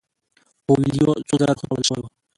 کویلیو څو ځله روغتون ته وړل شوی و.